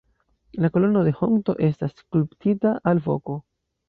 La Kolono de Honto estas skulptita alvoko.